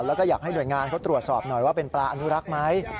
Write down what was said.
แล้วก็อยากให้หน่วยงานเขาตรวจสอบหน่อยว่าเป็นปลาอนุรักษ์ไหม